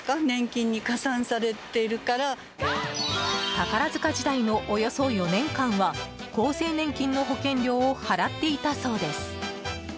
宝塚時代のおよそ４年間は厚生年金の保険料を払っていたそうです。